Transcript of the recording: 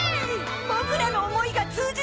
ボクらの思いが通じたんだ！